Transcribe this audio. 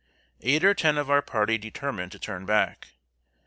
] Eight or ten of our party determined to turn back.